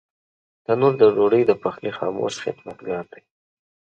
تنور د ډوډۍ د پخلي خاموش خدمتګار دی